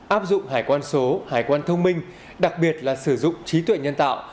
áp dụng hải quan số hải quan thông minh đặc biệt là sử dụng trí tuệ nhân tạo